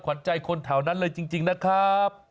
ขวัญใจคนแถวนั้นเลยจริงนะครับ